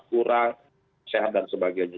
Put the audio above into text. kurang sehat dan sebagainya